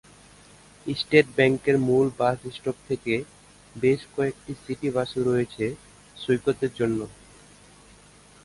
State ব্যাঙ্কের মূল bus stop থেকে বেশ কয়েকটি সিটি বাস রয়েছে সৈকতের জন্য।